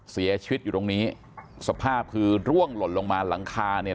เสียชีวิตอยู่ตรงนี้สภาพคือร่วงหล่นลงมาหลังคาเนี่ย